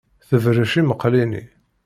Tebṛec lmeqli-nni.